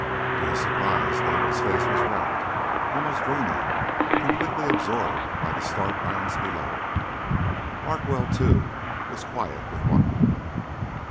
To his surprise Nagel's face was rapt, almost dreamy, completely absorbed by the stark lands below. Larkwell, too, was quiet with wonder.